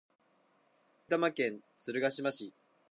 埼玉県鶴ヶ島市